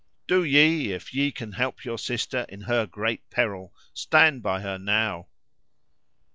Do ye, if ye can help your sister in her great peril, stand by her now."